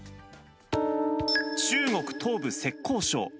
中国東部、浙江省。